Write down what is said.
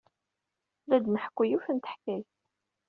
La d-nḥekku yiwet n teḥkayt.